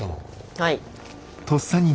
はい。